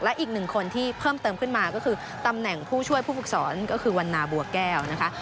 และอีกหนึ่งคนที่เพิ่มเติมขึ้นมาก็คือตำแหน่งผู้ช่วยผู้ฝึกสอนก็คือวันนาบัวแก้วนะคะ